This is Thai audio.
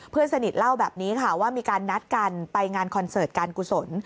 เพื่อนสนิทเล่าแบบนี้ค่ะว่ามีการนัดกันไปงานคอนเสิร์ตการกุศล